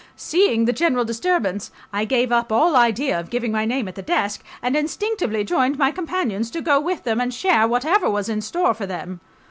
Seeing the general disturbance, I gave up all idea of giving my name at the desk, and instinctively joined my companions, to go with them and share whatever was in store for them.